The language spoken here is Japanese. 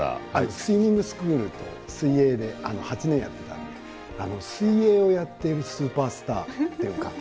スイミングスクールで水泳を８年やっていたので水泳をやっているスーパースターというか。